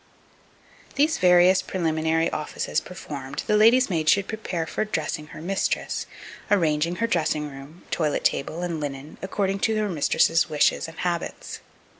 2246. These various preliminary offices performed, the lady's maid should prepare for dressing her mistress, arranging her dressing room, toilet table, and linen, according to her mistress's wishes and habits.